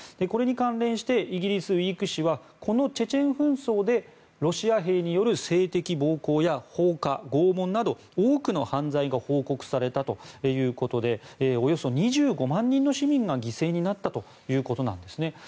これに関連してイギリス「ウィーク」誌はこのチェチェン紛争でロシア兵による性的暴行や放火、拷問など多くの犯罪が報告されたということでおよそ２５万人の市民が犠牲になったということです。